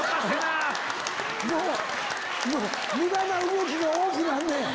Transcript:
無駄な動きが多くなんねん。